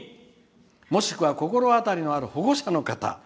もしくは、心当たりのある保護者の方。